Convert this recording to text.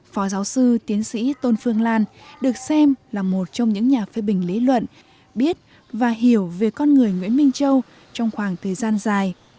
phó giáo sư tiến sĩ tôn phương lan được xem là một trong những nhà phê bình lý luận biết và hiểu về con người nguyễn minh châu trong khoảng thời gian dài